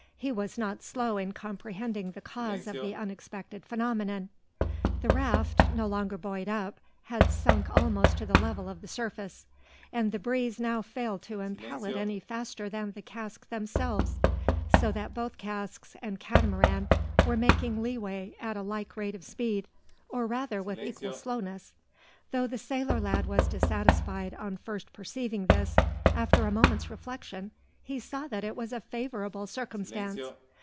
He was not slow in comprehending the cause of the unexpected phenomenon. The raft, no longer buoyed up, had sunk almost to the level of the surface; and the breeze now failed to impel it any faster than the casks themselves: so that both casks and Catamaran were making leeway at a like rate of speed, or rather with equal slowness. Though the sailor lad was dissatisfied on first perceiving this, after a moment's reflection, he saw that it was a favourable circumstance.